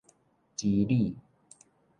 支理